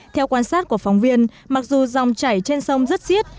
theo quan sát của phóng viên mặc dù dòng chảy trên sông rất xiết